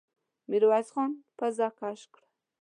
ميرويس خان پزه کش کړه.